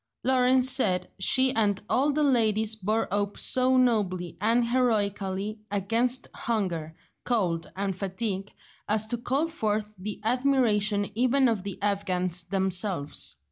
Lawrence said she and all the ladies bore up so nobly and heroically against hunger, cold, and fatigue, as to call forth the admiration even of the Afghans themselves.